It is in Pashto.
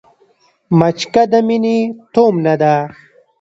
مچکه د مينې تومنه ده